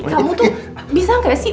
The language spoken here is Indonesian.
ih kamu tuh bisa gak sih